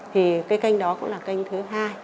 thì cái kênh đó cũng là kênh thứ hai